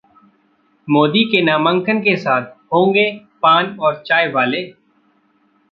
मोदी के नामांकन में साथ होंगे पान और चायवाले?